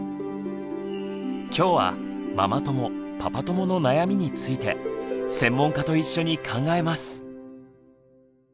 今日はママ友パパ友の悩みについて専門家と一緒に考えます。